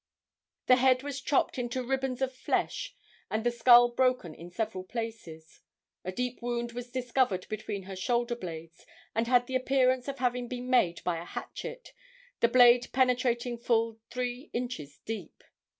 The head was chopped into ribbons of flesh and the skull broken in several places. A deep wound was discovered between the shoulder blades, and had the appearance of having been made by a hatchet, the blade penetrating full three inches deep.